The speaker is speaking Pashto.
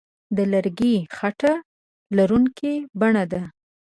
د لرګي خټه لرونکې بڼه ده.